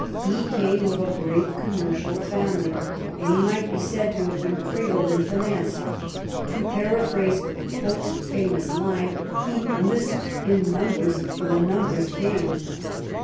He came of a great commercial family, and he might be said to have been cradled in finance. To paraphrase Pope's famous line, he lisped in numbers, for the numbers came.